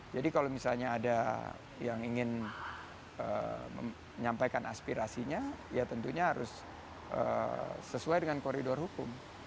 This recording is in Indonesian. jadi kalau misalnya ada yang ingin menyampaikan aspirasinya ya tentunya harus sesuai dengan koridor hukum